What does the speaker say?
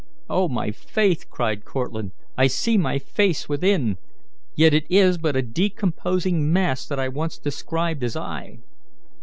"Oh, my faith!" cried Cortlandt, "I see my face within, yet it is but a decomposing mass that I once described as I."